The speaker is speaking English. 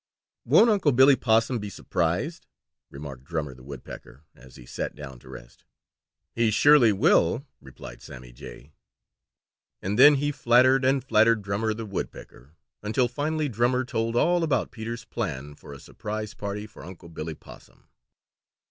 "Won't Unc' Billy Possum be surprised?" remarked Drummer the Woodpecker, as he sat down to rest. "He surely will," replied Sammy Jay, and then he flattered and flattered Drummer the Woodpecker until finally Drummer told all about Peter's plan for a surprise party for Unc' Billy Possum.